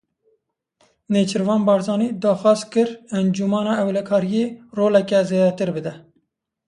Nêçîrvan Barzanî daxwaz kir Encûmena Ewlekariyê roleke zêdetir bide.